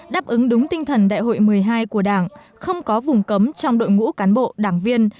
đáp ứng đúng tinh thần đại hội một mươi hai của đảng không có vùng cấm trong đội ngũ cán bộ đảng viên